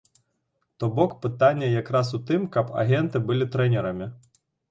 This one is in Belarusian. То бок, пытанне якраз у тым, каб агенты былі трэнерамі!